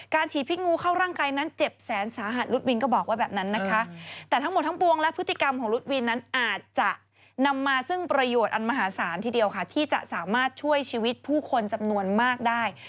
ฉีดพิษงูเข้าร่างกายนั้นเจ็บแสนสาหัสลุดวินก็บอกไว้แบบนั้นนะคะแต่ทั้งหมดทั้งปวงและพฤติกรรมของรุดวินนั้นอาจจะนำมาซึ่งประโยชน์อันมหาศาลทีเดียวค่ะที่จะสามารถช่วยชีวิตผู้คนจำนวนมากได้